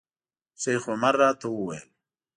شیخ عمر راته وویل.